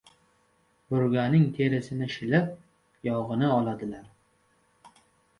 • Burganing terisini shilib, yog‘ini oladilar.